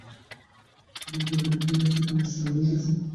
আমার বেদনা তাই আজ এত নিষ্ঠুর হয়ে উঠেছে।